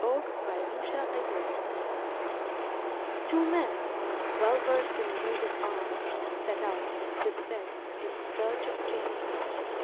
BAG YOUR GAME Two men, well versed in use of arms, Set out, 'tis said, in search of game.